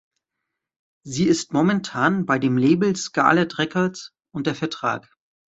Sie ist momentan bei dem Label Scarlet Records unter Vertrag.